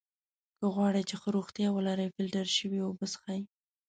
که غواړی چې ښه روغتیا ولری ! فلټر سوي اوبه څښئ!